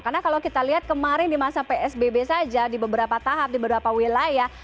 karena kalau kita lihat kemarin di masa psbb saja di beberapa tahap di beberapa wilayah